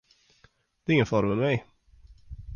Det är ingen fara med mig.